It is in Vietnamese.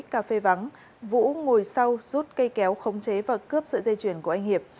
cà phê vắng vũ ngồi sau rút cây kéo khống chế và cướp sự dây chuyển của anh hiệp